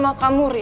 aku mau ngerti